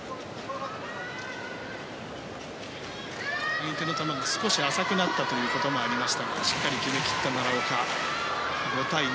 相手の球が少し浅くなったということもありましたがしっかり決め切った奈良岡。